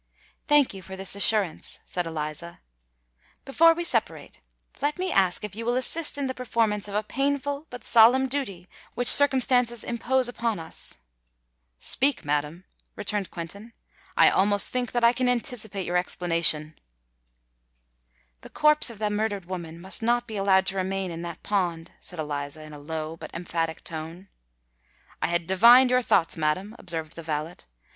"Thank you for this assurance," said Eliza. "Before we separate, let me ask if you will assist in the performance of a painful but solemn duty which circumstances impose upon us?" "Speak, madam," returned Quentin: "I almost think that I can anticipate your explanation." "The corpse of the murdered woman must not be allowed to remain in that pond," said Eliza, in a low, but emphatic tone. "I had divined your thoughts, madam," observed the valet.